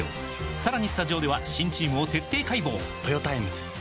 さらにスタジオでは新チームを徹底解剖！